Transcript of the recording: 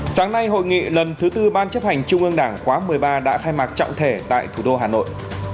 sáng nay hội nghị lần thứ tư ban chấp hành trung ương đảng khóa một mươi ba đã khai mạc trọng thể tại thủ đô hà nội